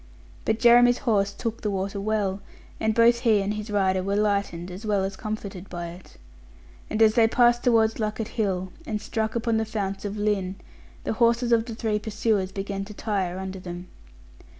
But Jeremy's horse took the water well; and both he and his rider were lightened, as well as comforted by it. And as they passed towards Lucott hill, and struck upon the founts of Lynn, the horses of the three pursuers began to tire under them.